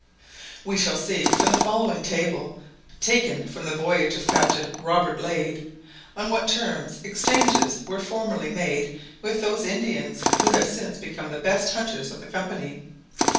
We shall see from the following table, taken from the " Voyage of Captain Robert Lade," on what terms exchanges were formerly made with those Indians who have since become the best hunters of the Company.